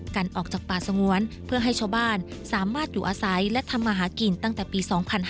กันออกจากป่าสงวนเพื่อให้ชาวบ้านสามารถอยู่อาศัยและทำมาหากินตั้งแต่ปี๒๕๕๙